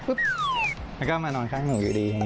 ก็มานอนข้างหนูอยู่ดีแบบนี้